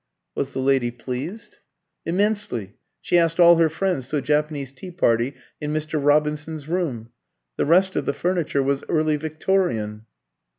"Was the lady pleased?" "Immensely. She asked all her friends to a Japanese tea party in Mr. Robinson's room. The rest of the furniture was early Victorian."